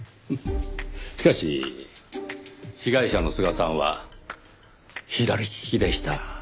しかし被害者の須賀さんは左利きでした。